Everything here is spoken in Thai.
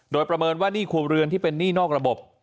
โดยประเมินว่าหนี้ครัวเรือนที่เป็นหนี้นอกระบบ